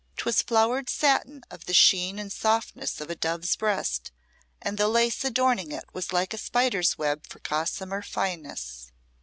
'Twas flowered satin of the sheen and softness of a dove's breast, and the lace adorning it was like a spider's web for gossamer fineness.